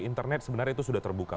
internet sebenarnya itu sudah terbuka